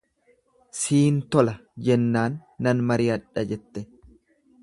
Siin tola jennaan nan mariyadha jette.